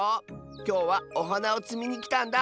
きょうはおはなをつみにきたんだ。